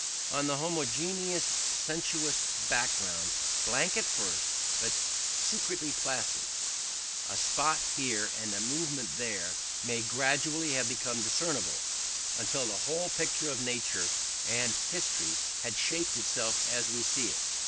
On that homogeneous sensuous background, blank at first but secretly plastic, a spot here and a movement there may gradually have become discernible, until the whole picture of nature and history had shaped itself as we see it.